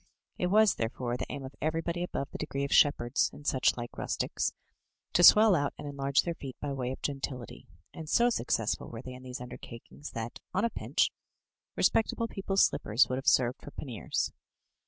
It was, therefore, the aim of everybody above the degree of shepherds, and such like rustics, to swell out and enlarge their feet by way of gentility; and so successful were they in these undertakings that, on a pinch, respectable people's slippers would have served for panniers.